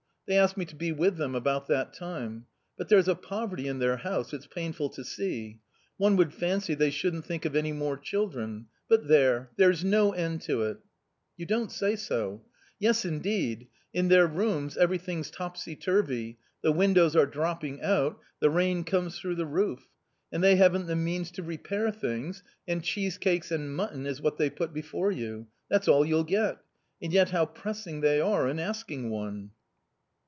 They asked me to be with them about that time. But there's a poverty in their house it's painful to see. One would fancy they shouldn't think of any more children. But there — there's no end to it !"" You don't say so !" u Yes, indeed ! in their rooms everything's topsy turvy ; the windows are dropping out ; the rain comes through the roof. And they haven't the means to repair things, and cheesecakes and mutton is what they put before you — that's all you'll get ! And yet how pressing they are in asking one